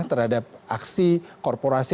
terhadap aksi korporasi